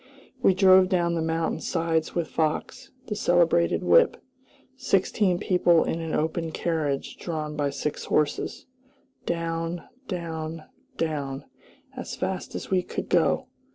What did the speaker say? We drove down the mountain sides with Fox, the celebrated whip; sixteen people in an open carriage drawn by six horses, down, down, down, as fast as we could go.